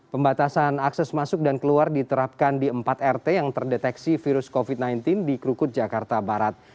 pembatasan akses masuk dan keluar diterapkan di empat rt yang terdeteksi virus covid sembilan belas di krukut jakarta barat